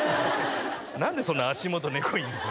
何でそんな足元ネコいるの？